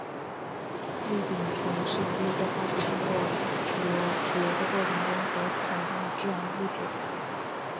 氯丙醇是一类在化学制作豉油的过程中所产生的致癌物质。